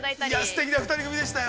◆すてきな二人組でしたよ。